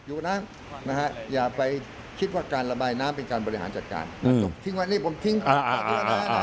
อยู่กับน้ำอย่าไปคิดว่าการระบายน้ำเป็นการบริหารจัดการถึงว่านี่ผมทิ้งตอบด้วยนะ